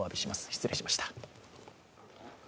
失礼しました。